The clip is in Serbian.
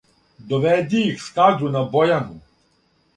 Доведи их Скадру на Бојану,